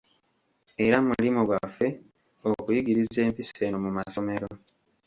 Era mulimo gwaffe okuyigiriza empisa eno mu masomero.